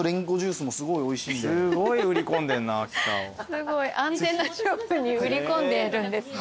すごいアンテナショップに売り込んでるんですね